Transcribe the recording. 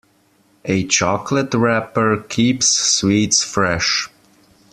A chocolate wrapper keeps sweets fresh.